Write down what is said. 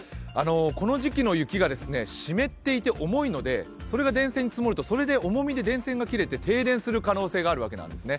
この時期の雪は湿っていて重いのでそれが電線に積もると重みで電線が切れて停電する可能性があるわけなんですね。